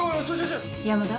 山田。